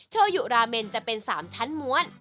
โชยุราเมนจะเป็น๓ชั้นม้วน